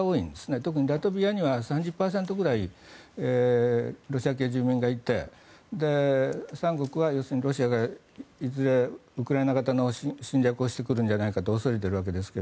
特にラトビアには３０％くらいロシア系住民がいて三国は要するにロシアがいずれウクライナ型の侵略をしてくるのではないかと恐れているわけですが。